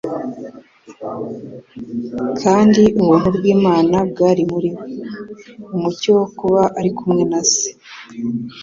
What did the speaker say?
Kandi ubuntu bw'Imana bwari muri we." Mu mucyo wo kuba ari kumwe na Se,